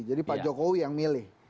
jadi pak jokowi yang milih